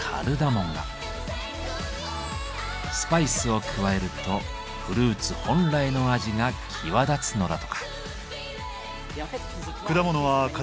スパイスを加えるとフルーツ本来の味が際立つのだとか。